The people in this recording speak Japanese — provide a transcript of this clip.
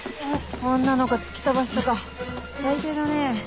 女の子突き飛ばすとか最低だね。